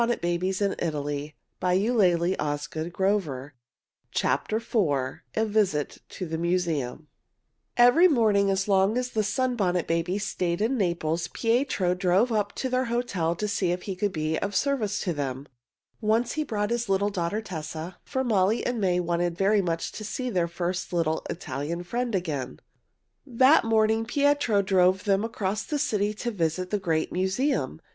[Illustration: A Visit to the Museum] A VISIT TO THE MUSEUM Every morning, as long as the Sunbonnet Babies stayed in Naples, Pietro drove up to their hotel to see if he could be of service to them. Once he brought his little daughter, Tessa, for Molly and May wanted very much to see their first little Italian friend again. That morning Pietro drove them across the city to visit the great museum.